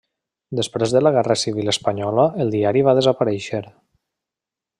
Després de la Guerra Civil Espanyola, el diari va desaparèixer.